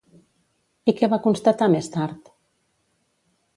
I què va constatar més tard?